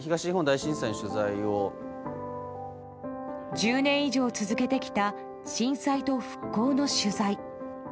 １０年以上続けてきた震災と復興の取材。